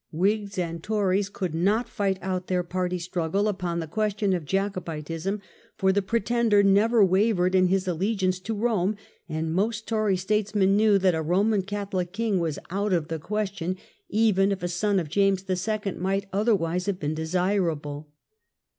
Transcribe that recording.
Whigs and Tories could not fight out their party struggle upon the question of Jacobitism; for the Pre (2) Thepany tender never wavered in his allegiance to ftVTSport " Rome, and most Tory statesmen knew that a *"««• Roman Catholic king was out of the question, even if a son of James II. might otherwise have been desirable.